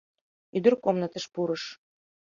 «Ӱдыр комнатыш пурыш...»